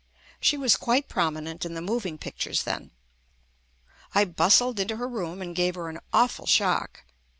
She was quite prominent in the moving pictures then. I bustled into her room and gave her an awful shock.